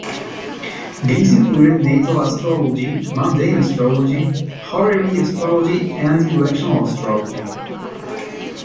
These included natal astrology, mundane astrology, horary astrology, and electional astrology.